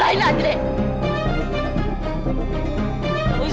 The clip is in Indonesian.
kamu bisa selangis